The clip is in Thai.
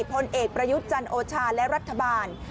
พลเอกประยุทธ์จันโอชาและรัฐบาล